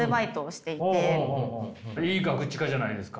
いいガクチカじゃないですか。